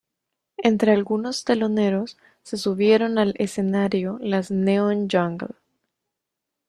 Entre algunos teloneros se subieron al escenario las Neon Jungle.